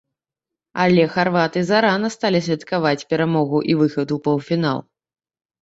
Але харваты зарана сталі святкаваць перамогу і выхад у паўфінал.